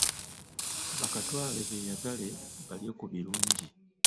Bakatwale beeyagale balye ku birungi.